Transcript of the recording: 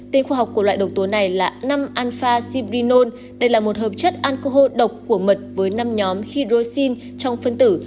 tên khoa học của loại độc tố này là năm alpha siprinol đây là một hợp chất alcohol độc của mật với năm nhóm hydroxin trong phân tử